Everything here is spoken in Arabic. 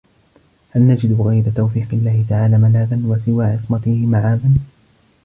هَلْ نَجِدُ غَيْرَ تَوْفِيقِ اللَّهِ تَعَالَى مَلَاذًا ، وَسِوَى عِصْمَتِهِ مَعَاذًا ؟